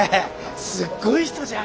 すごい人じゃん！